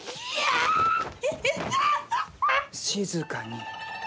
静かに。